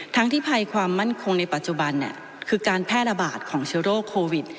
ที่ภัยความมั่นคงในปัจจุบันคือการแพร่ระบาดของเชื้อโรคโควิด